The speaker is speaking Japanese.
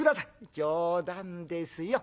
「冗談ですよ。